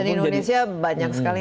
dan di indonesia banyak sekali